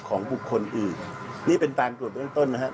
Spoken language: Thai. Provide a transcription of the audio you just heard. ของบุคคลอื่นนี่เป็นการตรวจเบื้องต้นนะครับ